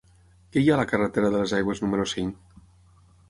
Què hi ha a la carretera de les Aigües número cinc?